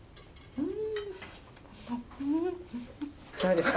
うん！